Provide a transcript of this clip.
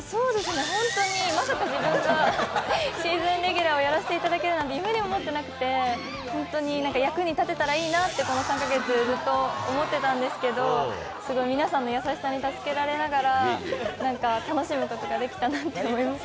まさか自分がシーズンレギュラーをやらせていただけるなんて夢にも思ってなくて本当に役に立てたらいいなってこの３か月、ずっと思ってたんですけど皆さんの優しさに助けられながら楽しむことができたなと思います。